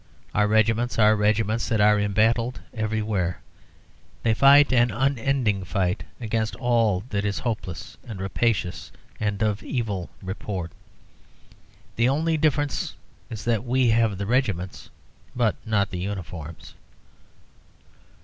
Our regiments are regiments that are embattled everywhere; they fight an unending fight against all that is hopeless and rapacious and of evil report. The only difference is that we have the regiments, but not the uniforms.